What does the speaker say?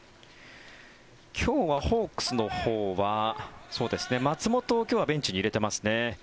今日はホークスのほうは松本を今日はベンチに入れていますね。